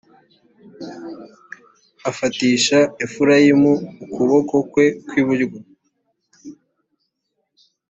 afatisha efurayimu ukuboko kwe kw iburyo